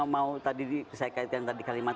mau tadi saya kaitkan tadi kalimat